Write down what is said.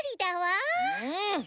うん！